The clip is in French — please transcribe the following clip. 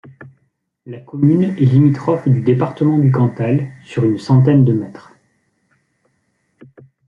La commune est limitrophe du département du Cantal sur une centaine de mètres.